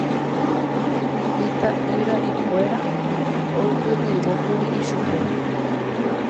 Ita'yrakuéra oipytyvõkuri ichupe